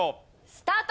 スタート！